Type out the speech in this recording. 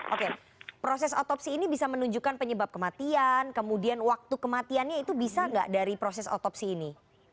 oke proses otopsi ini bisa menunjukkan penyebab kematian kemudian waktu kematiannya itu bisa nggak dari proses otopsi ini